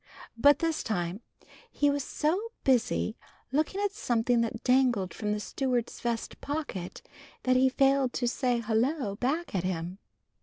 But this time he was so busy looking at something that dangled from the steward's vest pocket that he failed to say "Hullo" back at him.